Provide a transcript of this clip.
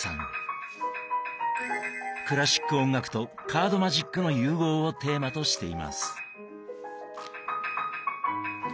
クラシック音楽とカードマジックの融合をテーマとしています。